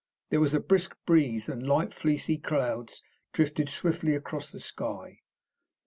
There was a brisk breeze, and light, fleecy clouds drifted swiftly across the sky.